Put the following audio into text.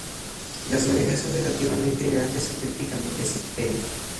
Las orejas son relativamente grandes y prácticamente sin pelo.